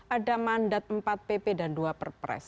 ada mandat empat pp dan dua perpres